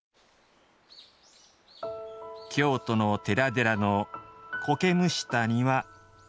京都の寺々の苔むした庭。